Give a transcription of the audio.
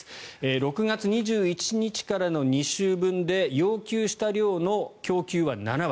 ６月２１日からの２週分で要求した量の供給は７割。